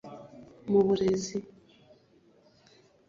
Mu burezi